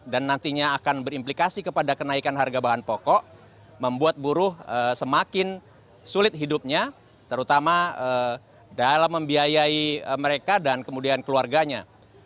dan nantinya akan berimplikasi kepada kenaikan harga bahan pokok membuat buruh semakin sulit hidupnya terutama dalam membiayai mereka dan kemudian keluarganya